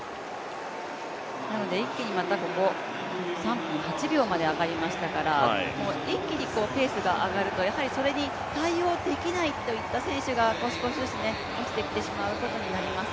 なので一気にここ、３分８秒まで上がりましたから一気にペースが上がるとそれに対応できないといった選手が少しずつ落ちてきてしまうことになります。